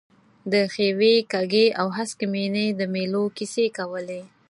د ښیوې، کږې او هسکې مېنې د مېلو کیسې کولې.